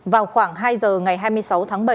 vào khoảng hai giờ ngày hai mươi sáu tháng bảy